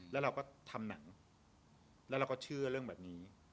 แล้วเราก็ทำหนังแล้วเราก็เชื่อเรื่องแบบนี้